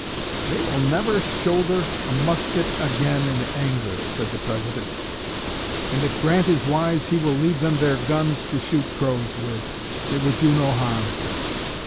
'They will never shoulder a musket again in anger,' said the President, 'and if Grant is wise he will leave them their guns to shoot crows with. It would do no harm.'"